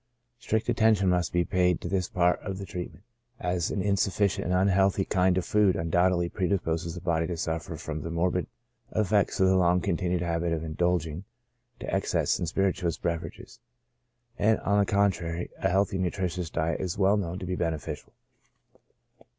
Strict attention must be paid to this part of the treatment, as an insufficient and unhealthy kind of food undoubtedly predisposes the body to suffer from the morbid effects of the long continued habit of indulging to excess in spirituous beverages ; and, on the contrary, a healthy and nutritious diet is known to be beneficial.